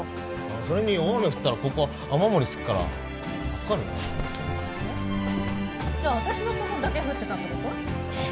それに大雨降ったらここ雨漏りすっからえっじゃあ私のとこだけ降ってたってこと？